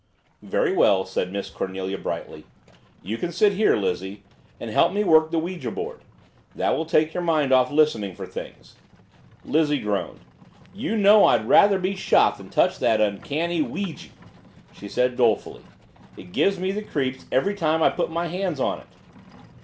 "Very well," said Miss Cornelia brightly. "You can sit here, Lizzie and help me work the ouija board. That will take your mind off listening for things!" Lizzie groaned. "You know I'd rather be shot than touch that uncanny ouijie!" she said dolefully. "It gives me the creeps every time I put my hands on it!"